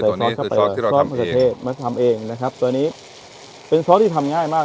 ตัวนี้คือซอสที่เราทำเองมาทำเองนะครับตัวนี้เป็นซอสที่ทำง่ายมาก